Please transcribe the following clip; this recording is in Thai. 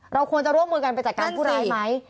เราควรจะร่วมมือกันไปจัดการผู้ร้ายไหม